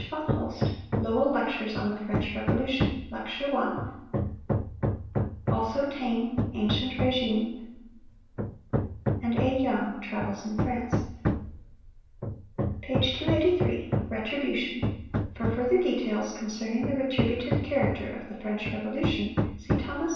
von Holst, "Lowell Lectures on the French Revolution," lecture 1; also Taine, "Ancient Régime," and A. Young, "Travels in France." Page 283. RETRIBUTION.—For further details concerning the retributive character of the French Revolution, see Thos.